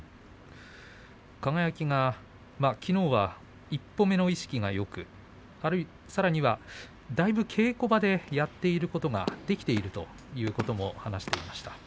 輝はきのうは一歩目の意識がよくだいぶ稽古場でやっていることができているということも話していました。